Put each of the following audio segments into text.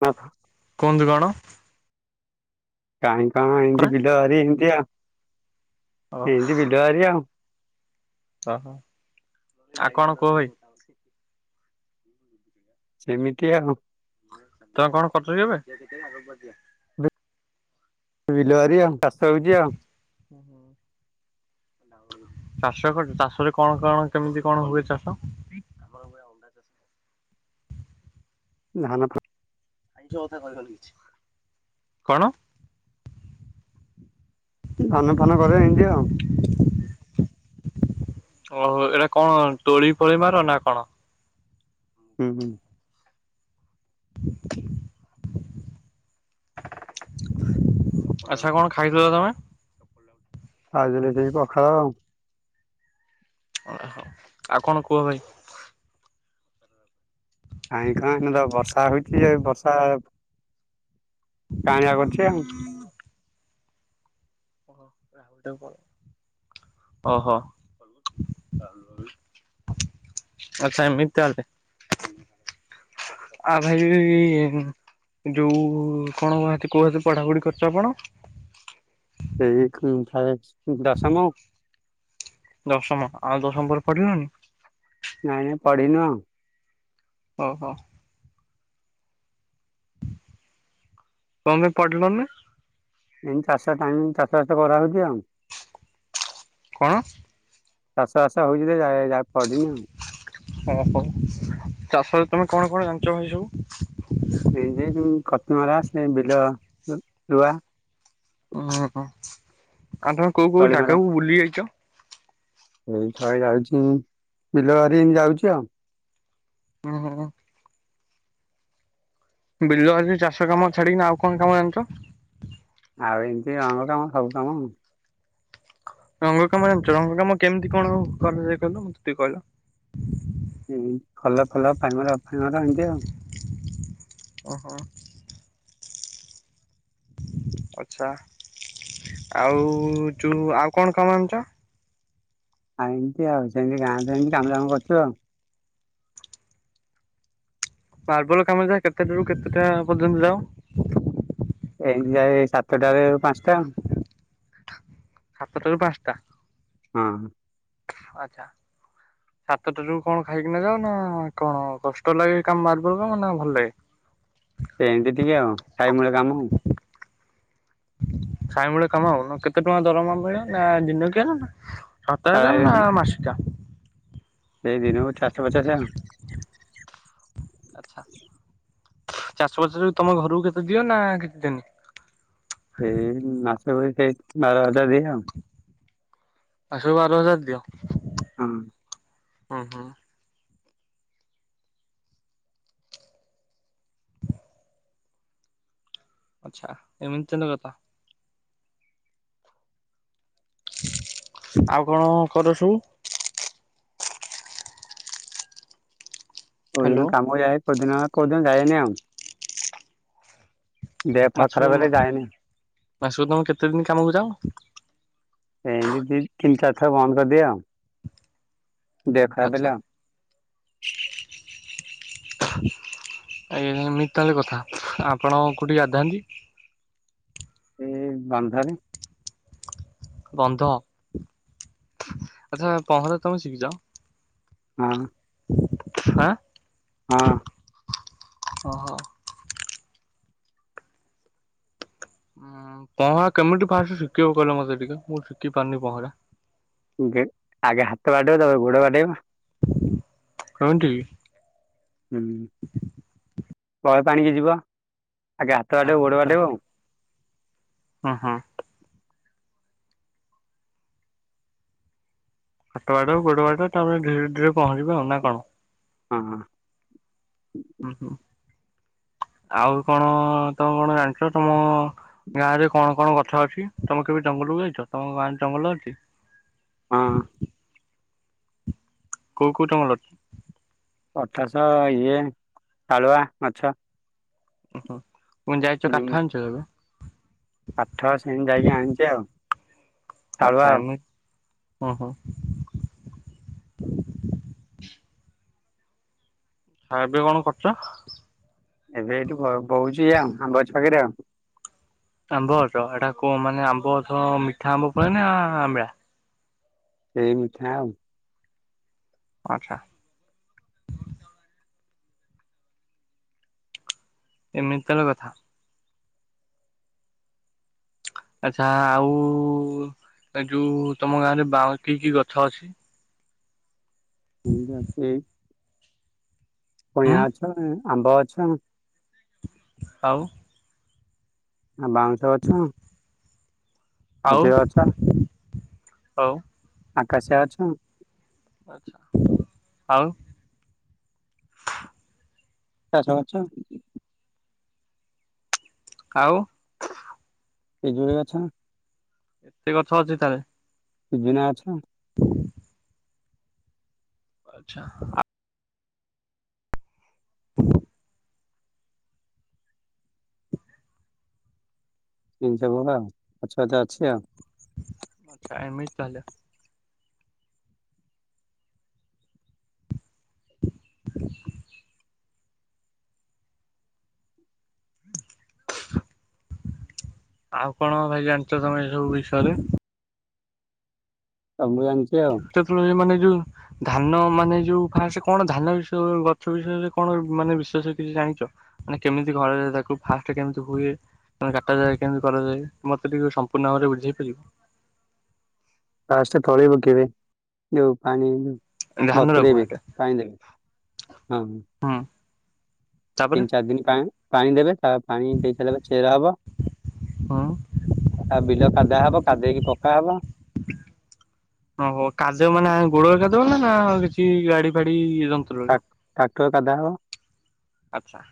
[inaudible] କଣ? କାହିଁ କଣ ଓ ଏମିତି ବିଲବାରି ଏମିତିଆ, ଏମିତି ବିଲବାରି ଆଉ। ଓହୋଃ! ଆଉ କଣ କୁହ ଭାଇ? [unintelligible] [unintelligible] ସେମିତି ଆଉ। ତମେ କଣ କରୁଛ କି ଏବେ? ବିଲବାରି ଆଉ, ଚାଷ ହଉଛି ଆଉ। ହୁଁ, ହୁଁ। ଚାଷ କରୁଛ, ଚାଷରେ କଣ କଣ କେମିତି କଣ ହୁଏ ଚାଷ? ଆମର ହୁଏ ଅଣ୍ଡା ଚାଷ। ଧାନ ଫାନ ଆଇଁଷ କଥା କହିବନି କିଛି, କଣ? ଧାନ ଫାନ କରେ ଏମିତି ଆଉ। ଓହୋଃ! ଏଇଟା କଣ ତୋଳି ଫୋଳି ମାର ନା କଣ? ହୁଁ, ହୁଁ। ଆଚ୍ଛା, କଣ ଖାଇଥିଲ ତମେ? ଖାଇଥିଲି ସେଇ ପଖାଳ ଆଉ। ଓହୋଃ! ଆଉ କଣ କୁହ ଭାଇ? କାହିଁ କଣ ଏଇନେ ତ ବର୍ଷା ହଉଛି ଯେ ବର୍ଷା, କାଁଳିଆ କରୁଛି ଆଉ। ଓହୋଃ! [inaudible] ଓହୋଃ! ଆଚ୍ଛା, ଏମିତି ତାହାଲେ। ଆଉ ଭାଇ ଯୋଉ କଣ କହୁନାହାନ୍ତି କୋଉ ହାଁତେ ପଢ଼ାପଢ଼ି କରିଛ ଆପଣ? [unintelligible] ଦଶମ ଆଉ ଦଶମ ପରେ ପଢ଼ିଲନି? ନାଇଁ ପଢ଼ିନୁ ଆଉ। ଓଉ ହୋ। କଣ ପାଇଁ ପଢ଼ିଲନି? ଏମିତି ଚାଷ ଟାଇମ ଚାଷ ବାଷ କରାଯାଉଚି ଆଉ। କଣ? ଚାଷ ବାସ ହୋଉଚି ଯେ ଆଉ ପଢିନି ଆଉ। ଓହୋ ଚାଷରେ ତମେ କଣ କଣ ଜାଣିଚ ସବୁ? ଏ ଖତି ମରା ସେ ବିଲ ରୂଆ। ଓଁ ଆଉ ତମେ କୋଉ କୋଉ ତଳିମରା ଜାଗାକୁ ବୁଲି ଯାଇଚ? ଏଇ ଥର ଯାଇଚି, ବିଲ ବାରି ଆଉ ଯାଈଚି ଆଉ। ଉଁ ବିଲ ହେଲେ ଚାଷ କାମ ଛାଡ଼ିକି ଆଉ କଣ କାମ ଜାଣିଛ? ଆଉ ଏମିତି ରଙ୍ଗ କାମ ସବୁ କାମ ଆଉ। ରଙ୍ଗ କାମ ଜାଣିଚ ରଙ୍ଗ କାମ କେମିତି କଣ କରାଯାଏ କହିଲ? ମତେ ଟିକେ କହିଲ ହଁ ଭଲ ଫଲ [unintelligible] ଓହୋ। ଆଚ୍ଛା ଆଉ ଯେଉଁ ଆଉ କଣ କାମ ଜାଣିଚ? ଆଉ ଏମିତି ଆଉ ସେମିତି ଗାଁରେ ଏମତି କାମଦାମ କରଚୁ ଆଉ। ମାର୍ବଲ କାମ ଯା କେତେଟାରୁ କେତେଟା ପର୍ଯ୍ୟନ୍ତ? ଏଇ ଯାଏ ସାତଟାରୁ ପାଞ୍ଚଟା। ସାତଟାରୁ ପାଞ୍ଚଟା। ହଁ। ଆଚ୍ଛା। ସାତଟା ରୁ କଣ ଖାଇକିନା ଯାଅ ନା କଣ କଷ୍ଟ ଲାଗେ କାମ ମାର୍ବଲର ନା ମାନେ ଭଲ ଲାଗେ? ସେ ଏମିତି ଟିକେ ଆଉ ଖାଇ [unintelligible] ଖାଇ ମିଳେ କାମ ଆଉ କେତେ ଟଙ୍କା ଦରମା ମିଳେ? ନା ଦିନ କିଲା ନା ସାପ୍ତାହିକ ନା ମାସିକା? ସେଇଦିନକୁ ଚାରିଶହ ପଚାଶ ଆଉ। ଆଚ୍ଛା ଚାରିଶହ ପଚାଶ ତମେ ଘରକୁ କେତେ ଦିଅ ନା କିଛି ଦିଅନି? ସେଇ ମାସ କରି [unintelligible] ବାର ହଜାର ଦିଏ ଆଉ। ଆସ ବାର ହଜାର ଦିଅ। ହଁ। ହଁ ହଁ। ଆଚ୍ଛା ଏମିତି କଥା। ଆଉ କଣ କରୁଚୁ? ହ୍ୟାଲୋ କୋଉଦିନ କାମ ଯାଏ କୋଉଦିନ ଯାଏନି ଆଉ। ଦେହ ଫେହ ମାଛ ଖରାପ ହେଲେ ଯାଏନି ମାଛକୁ ତମେ କେତେ ଦିନ କାମ କର ଏଇତି ଦି ତିନି ଚାରିଥର ବନ୍ଦ କରିଦିଅ ଆଉ। ଦେଖ ଆଚ୍ଛା [unintelligible] ଆଜ୍ଞା ମିତାଲି କଥା ଆପଣ କୋଉଠି [unintelligible] ଏଇ ବାନ୍ଧାରୀ ବନ୍ଧ ଆଚ୍ଛା ପହରା ତମେ ଶିଖିଚ? ହଁ। ହଁ। ହଁ। [unintelligible] ହଁ ପହଁରା କେମିତି ଫାଷ୍ଟ ଶିଖିବ କଲେ ମତେ ଟିକେ ମୁଁ ଶିଖି ପାରୁନି ପହଁରା? ଆଗେ ହାତ ବାଟେଇବ ତାପରେ ଗୋଡ ବାଟେଇବ। କେଉଁଠ। ହୁଁ ଗଳ ପାଣିକି ଯିବ ଆଗେ ହାତ ବାଡେ ଗୋଡ ବାଡେଇବ ଆଉ ହଁ ହଁ ହାତ ବାଡେଇବ ଗୋଡ ବାଡେଇବ ତାପରେ ଧୀରେ ଧୀରେ ପହଞ୍ଚିବ ଆଉ ନା କଣ ହଁ ହୁଁ ହୁଁ ଆଉ କଣ ତମ କଣ ଜାଣିଛ ତମ ଗାଁ ରେ କଣ କଣ ଗଛ ଅଛି ତମେ କେବେ ଜଙ୍ଗଲକୁ ଯାଇଛ ତମ ଗାଁରେ ଜଙ୍ଗଲ ଅଛି? ହଁ କଉଁ କଉଁ ତମୋଲ ଅଛି ପଠାଶ ଇଏ କାଳୁଆ ମାଛ ଓ ହୋ ପୁଣି ଯାଇଛ କାଠ ଆଣିଛ ତବେ ପାଠ ସେମିତି ଯାଇକି ଆଣିଛେ ଆଉ ଶାଳୁଆ ଆଉ ଓଁ ହୋ ହ ଏବେ କଣ କରୁଛ? ଏବେ ଏଇଠୁ ବଅ ବହୁଛି ଆଉ ଆମ୍ବଛଆକରେ ଆଉ ଆମ୍ବ ଗଛ ଏଟା କହ ମାନେ ଆମ୍ବ ଅଥ ମିଠା ଆମ୍ବ କୁଏନା ନା ଆମ୍ବିଳା ସେଇ ମିଥା ଆଉ ଆଚ୍ଛା ଏମିତି ତଳେ କଥା ଆଛା ଆଉ ଯୋଉ ତମ ଗାଁ ରେ ବା କି କି ଗଛ ଅଛି? [unintelligible] ସେଇ କଇଆ ହୁଁ ଅଛ ଉ ଆମ୍ବ ଅଛ ଆଉ ଆ ବାଉଁଶ ଅଛ ଆଉ ହଉ ଆକାଶ ଅଛୁ ଆଛା ଆଉ ଚା ସମଛ କାଉ ପିଜୁଳି ଗଛ ସେ ଗଛ ଅଛି ତାହେଲେ ବିନା ଅଛ [inaudible] ଆଚ୍ଛାଆ ତିନିଶ [unintelligible] ପଛଆତ ଅଛି ଆଉ ଆଚ୍ଛା ଏମିତି ତାହେଲେ [inaudible] ଆଉ କଣ ଭାଇ ଜାଣିଚ ତମେ ଏ ସବୁ ବିଷୟରେ ଆ ମୁଁ ଜାଣିଚି ଆଉ [unintelligible] ମାନେ ଯୋଉ ଧାନ ମାନେ ଯୋଉ ଫାଷ୍ଟ କଣ ଧାନ ବିଷୟ ଗଛ ବିଷୟରେ କଣ ମାନେ ବିଶେଷ କିଛି ଜାଣିଛ? ଆଃ କେମିତି ଘରାରେ ତାକୁ ଫାଷ୍ଟ କେମିତି ହୁଏ। [unintelligible] କାଟାଯାଏ କେମିତି କରାଯାଏ ମତେ ଟିକେ ସମ୍ପୂର୍ଣ୍ଣ ଭାବରେ ବୁଝେଇ ପାରିବେ। ଫାଷ୍ଟେ ତଳି ପକେଇବେ ଯୋଉ ପାଣି ଧାନ ବତୁରେଇବେ ରଖୁଆଟେ ପାଣି ଦେବେ ହଁ ହ ତିନି ଚାରି ଦିନ ପାଣି -ପାଣି ଦେବେ ତା ପାଣି ଦେଇସାରିଲା ପରେ ଚେରା ହବ। ହୁଁ ଆ ବିଲ କାଦା ହବ କାଦେଇକି ପକା ହବ। ଓହୋ କାଦେଇବ ମାନେ ଗୋଡ଼ରେ କାଦେଇବ ନା କିଛି ଗାଡି ଫାଡି ଯନ ଟାକ୍- ଟ୍ରାକ୍ଟର କଦାହବ। ଆଚ୍ଛା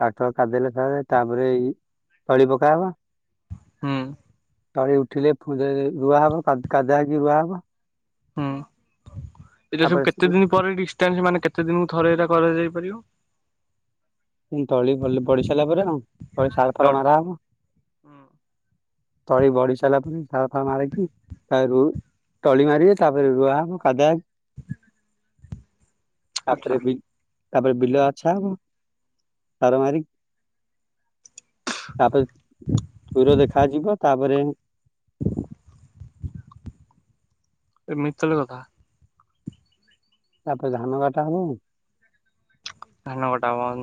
ଟ୍ରାକ୍ଟର କାଦେଇଲା ପରେ ତାପରେ ଏଇ ତଳି ପକା ହବ। ହୁଁ। ତଳି ଉଠିଲେ ଫୁଣି ଥରେ ରୁଆ ହବ କା-କାଦା ହେଇକି ରୁଆ ହବ। ହୁଁ ଏଇଟା ସବୁ ତାପରେ କେତେ ସେ ଦିନ ପରେ ଡିସଟାନ୍ସ ମାନେ କେତେ ଦିନୁକୁ ଥରେ ଏଇଟା କରାଯାଇ ପାରିବ। ଉଁ ତଳି ଭଲି ବଢି ସାଇଲା ପରେ ଆଉ ତାପରେ ସାର ଫାର ମାରା ହବ। ତଳି ବଢି ସାଇଲା ପରେ ସାର ଫାର ମାରିକି ତା ରୁଁ ତଳି ମାରିବେ ତାପରେ ରୁଆ ହବ କାଦା ହେ ଆଚ୍ଛା ତାପରେ ବି ତାପରେ ବିଲ ଆଛା ହବ ସାର ମାରି ତାପରେ ହିର ଦେଖା ଯିବ ତାପରେ ଏମିିତି ତାହେଲେ କଥା। ତାପରେ ଧାନ କାଟା ହବ ଆଉ। ଧାନ କଟା ହବ [inaudible]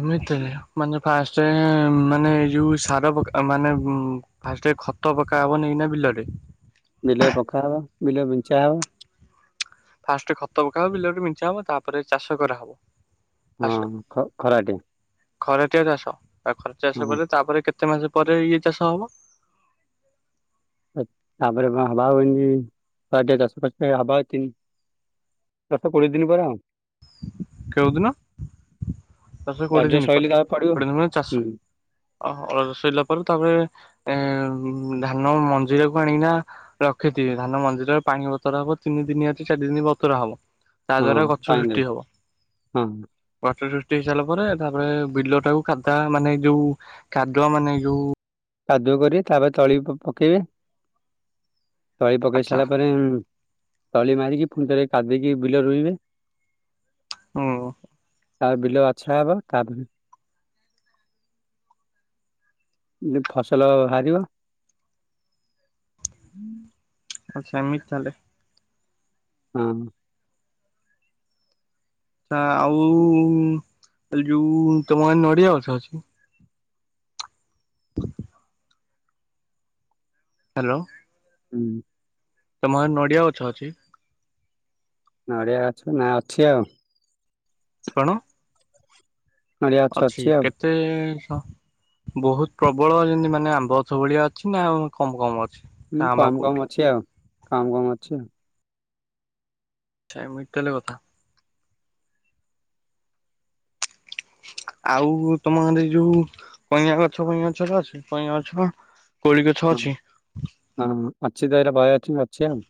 ଏମିତିରେ ମାନେ ଫାଷ୍ଟେ ମାନେ ଏ ଯୋଉ ସାର ପକା ମାନେ ଉଁ ଉଁ ଫାଷ୍ଟେ ଖତ ପକା ହବନି ଏଇନା ବିଲରେ। ବିଲରେ ପକା ହବ ବିଲ ବିଞ୍ଚା ହବ। ଫାଷ୍ଟ ଖତ ପକା ହବ ବିଲରେ ବିଞ୍ଚା ହବ ତାପରେ ଚାଷ କରାହବ। ହଁ ଖ-ଖରାଟିଆ ଖରାଟିଆ ଚାଷ ବା ଖରା ଚାଷ ହଁ ପରେ ତାପରେ କେତେ ମାସ ପରେ ଇଏ ଚାଷ ହବ? ତାପରେ ହବ ଆଉ ଇନ୍ତି [unintelligible] ଦଶ କୋଡିଏ ଦିନି ପରେ ଆଉ। କେଉଦିନ? ଦଶ କୋଡିଏ ରଜ ଦିନି ସଇଲେ ପରେ ତାପରେ ପଡିବ କୋଡିଏ ଦିନ ପରେ ଚାଷ ହୁଁ ଅ ସଇଲା ପରେ ତାପରେ ଏଁ ଉ ଧାନ ମଞ୍ଜିରାକୁ ଆଣିକିନା ରଖିଥିବେ ଧାନ ମଞ୍ଜିରେ ପାଣି ବତୁରା ହବ ତିନି ଦିନି ଅଛି ଚାରି ଦିନି ବତୁରା ହବ। ତା ହଁ ଦ୍ଵାରା ଗଛ ପାଣି ସୃଷ୍ଟି ଦେବେ ହବ। ହଁ ଗଛ ସୃଷ୍ଟି ହେଇସାଇଲା ପରେ ତାପରେ ବିଲ ଟାକୁ କାଦା ମାନେ ଯୋଉ କାଦୁଅ ମାନେ ଯୋଉ କାଦୁଅ କରିବେ ତାପରେ ତଳି ପ-ପକେଇବେ। ତଳି ପକେଇ ଆଚ୍ଛା ସାରିଲା ପରେ ଉଁ ତଳି ମାରିକି ଫୁଣି ଥରେ କାଦେଇକି ବିଲ ରୁଇଁବେ। ଅହୋ। ତା ବିଲ ଆଛା ହବ ତାପରେ ଏ ଫସଲ ବାହାରିବ। ଆଚ୍ଛା ଏମିତି ତାହେଲେ। ହଁ। ତା ଆଉ ଏ ଯୋଉ ତମ ଗାଁ ରେ ନଡିଆ ଗଛ ଅଛି? ହାଲୋ। ହୁଁ। ତମ ଗାଁ ରେ ନଡ଼ିଆ ଗଛ ଅଛି? ନଡ଼ିଆ ଗଛ ନା ଅଛି ଆଉ। କଣ? ନଡିଆ ଗଛ ଅଛି ଆଉ କେ ତେ ସଂ ବହୁତ ପ୍ରବଳ ଯେନ୍ତି ମାନେ ଆମ୍ବ ଅଛ ଭଳିଆ ଅଛି ନା କମ୍ କମ୍ ଅ ଉଁ କମ୍ କମ୍ ଅଛି ଆଉ କମ୍ କମ୍ ଅଛି। ଆଚ୍ଛା ଏମିତି ତାହେଲେ କଥା। ଆଉ ତମ ଗାଁରେ ଏଇ ଯୋଉ କଇଁଆ ଗଛ ଫଇଁଆ ଗଛ ଗୁରା ଅଛି କଇଁଆ ଗଛ? କୋଳି ଗଛ ଅଛି। ହଁ ହଁ ଅଛି ଦଏରେ ବଏ ଅଛି ଅଛି ଆଉ।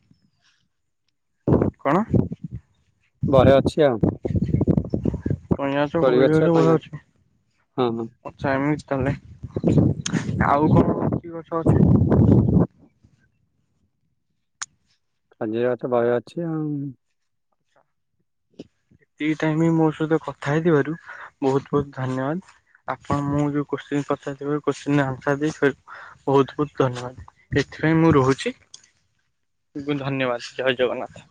କଣ? ବହେ ଅଛି ଆଉ। କଇଁଆ ଗଛ କୋଳି ସବୁଥିରୁ କଇଁ ବହେ ଗଛ ଅଛି। ହଁ ହଁ ଆଚ୍ଛା ଏମିତି ତାହେଲେ ଆଉ କଣ [unintelligible] ଗଛ ଅଛି? ଖଜିର ଗଛ ଭଏ ଅଛି ଆଉ। ଏତିକି ଟାଇମ ମୋ ସହିତ କଥା ହେଇଥିବାରୁ ବହୁତ ବହୁତ ଧନ୍ୟବାଦ। ଆପଣ ମୁଁ ଯୋଉ କୋଶ୍ଚିନ ପଚାରି ଥିବାରୁ କୋଶ୍ଚିନ ର ଆନ୍ସର ଦେଇଥିବାରୁ ବହୁତ ବହୁତ ଧନ୍ୟବାଦ ଏଥିପାଇଁ ମୁଁ ରହୁଛି। ଧନ୍ୟବାଦ ଜୟ ଜଗନ୍ନାଥ।